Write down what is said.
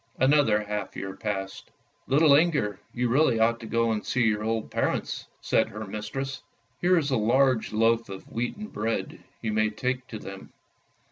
Another half year passed. " Little Inger, you really ought to go and see your old parents," said her mistress. " Here is a large loaf of wheaten bread, you may take to them.